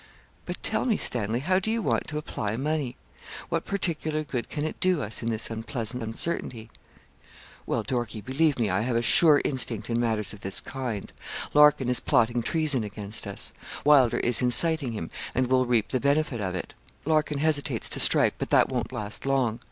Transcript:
'But tell me, Stanley, how do you want to apply money? What particular good can it do us in this unpleasant uncertainty?' 'Well, Dorkie, believe me I have a sure instinct in matters of this kind. Larkin is plotting treason against us. Wylder is inciting him, and will reap the benefit of it. Larkin hesitates to strike, but that won't last long.